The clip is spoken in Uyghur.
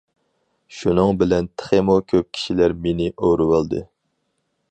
شۇنىڭ بىلەن تېخىمۇ كۆپ كىشىلەر مېنى ئورىۋالدى.